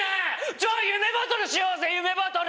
じゃあ夢バトルしようぜ夢バトル！